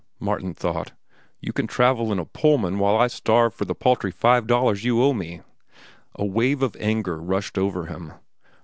Martin thought; you can travel in a Pullman while I starve for the paltry five dollars you owe me. A wave of anger rushed over him.